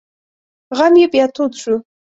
غم یې بیا تود شو.